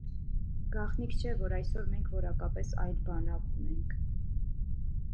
Գաղտնիք չէ, որ այսօր մենք որակապես այլ բանակ ունենք։